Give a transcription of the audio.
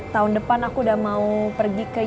tahun depan aku udah mau pergi ke